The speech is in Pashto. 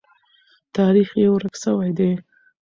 تاریخ یې ورک سوی دی.